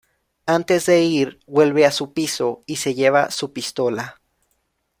Antes de ir, vuelve a su piso, y se lleva su pistola.